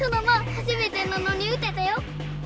はじめてなのに打てたよ！